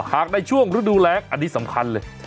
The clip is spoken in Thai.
หากในช่วงฤดูแรงอันนี้สำคัญเลย